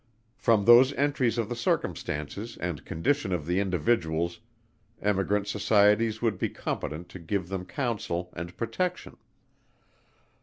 From those entries of the circumstances and condition of the Individuals, Emigrant Societies would be competent to give them counsel and protection.